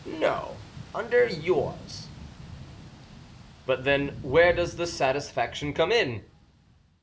"No, under yours." "But, then, where does the satisfaction come in?"